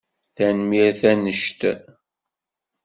Tanemmirt annect!